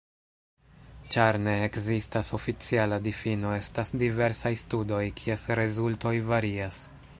Ĉar ne ekzistas oficiala difino, estas diversaj studoj kies rezultoj varias.